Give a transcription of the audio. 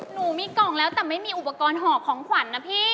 หนูมีกล่องแล้วแต่ไม่มีอุปกรณ์หอบของขวัญนะพี่